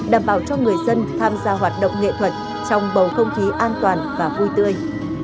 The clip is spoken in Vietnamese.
đảm bảo cho người dân tham gia hoạt động nghệ thuật trong bầu không khí an toàn và vui tươi